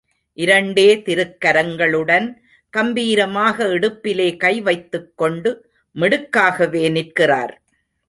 இரண்டே திருக்கரங்களுடன் கம்பீரமாக இடுப்பிலே கை வைத்துக் கொண்டு மிடுக்காகவே நிற்கிறார்.